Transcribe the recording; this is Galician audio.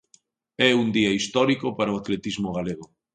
É un día histórico para o atletismo galego.